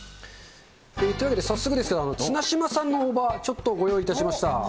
というわけで早速ですけど、綱島産の大葉、ちょっとご用意いたしました。